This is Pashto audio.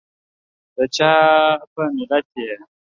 دچا په ملت یي؟